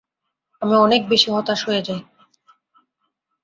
আমি অনেক বেশি হতাশ হয়ে যাই।